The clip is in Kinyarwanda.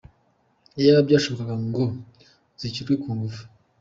Iyaba byashobokaga ngo zicyurwe ku ngufu.